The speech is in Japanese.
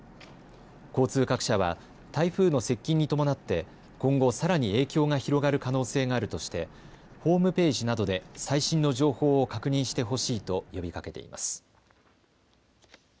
交通各社は台風の接近に伴って今後さらに影響が広がる可能性があるとしてホームページなどで最新の情報を確認してほしいと呼びかけています。